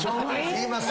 言います。